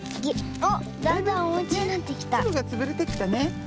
つぶがつぶれてきたね。